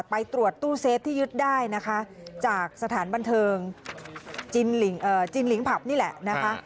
ไปตรวจตู้เซฟที่ยึดได้นะคะจากสถานบันเทิงจินลิงผับนี่แหละนะคะ